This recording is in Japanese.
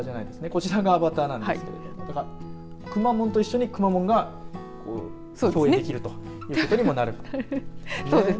こちらがアバターなんですけどなんかくまモンと一緒にくまモンが共演できるということにもなります。